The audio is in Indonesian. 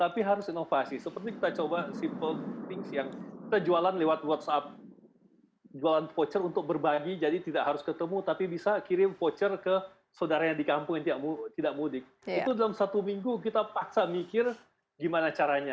program yang kita lakukan